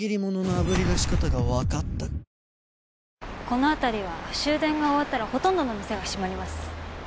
この辺りは終電が終わったらほとんどの店が閉まります。